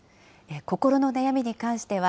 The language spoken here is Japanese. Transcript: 心の悩みに関しては＃